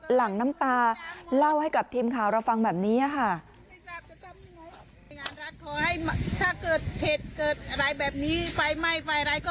หลังน้ำตาเล่าให้กับทีมข่าวเราฟังแบบนี้ค่ะ